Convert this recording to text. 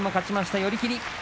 寄り切り。